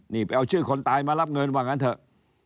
นี่ไปเอาชื่อคนตายมารับเงินว่างั้นเถอะ